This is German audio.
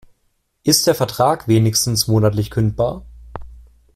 Ist der Vertrag wenigstens monatlich kündbar?